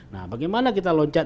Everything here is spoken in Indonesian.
nah bagaimana kita loncat